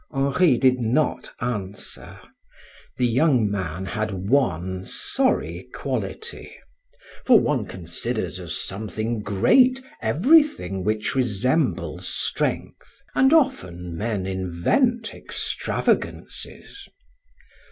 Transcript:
Henri did not answer. The young man had one sorry quality, for one considers as something great everything which resembles strength, and often men invent extravagances.